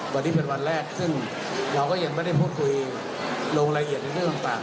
วันนี้เป็นวันแรกซึ่งเราก็ยังไม่ได้พูดคุยลงรายละเอียดในเรื่องต่าง